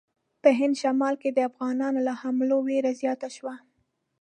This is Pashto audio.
په هند شمال کې د افغانانو له حملو وېره زیاته شوه.